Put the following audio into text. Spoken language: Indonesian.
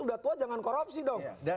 sudah tua jangan korupsi dong